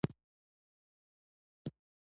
نو هغې کس ته به دا خبره کوئ